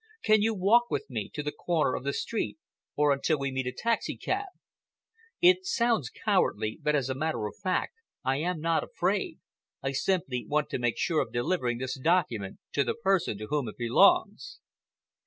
Can you walk with me to the corner of the street, or until we meet a taxicab? It sounds cowardly, but, as a matter of fact, I am not afraid. I simply want to make sure of delivering this document to the person to whom it belongs."